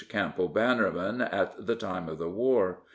Campbell Bannerman at the time of the war.